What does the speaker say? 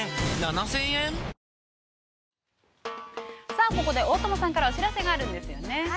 ◆さあ、ここで、大友さんからお知らせがあるんですよね。